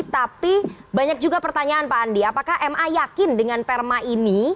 tapi banyak juga pertanyaan pak andi apakah ma yakin dengan perma ini